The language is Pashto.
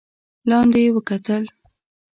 لاندې يې وکتل.